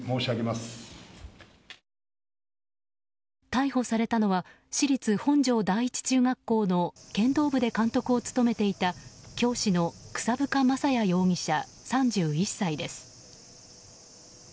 逮捕されたのは私立本庄第一中学校の剣道部で監督を務めていた教師の草深将也容疑者３１歳です。